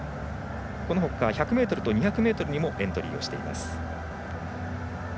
このほか１００ｍと２００ｍにもエントリーしています。